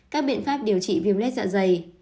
các biện pháp điều trị viêm lết dạ dày